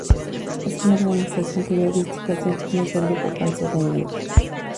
Es una organización periodística sin fines de lucro con sede en Lima.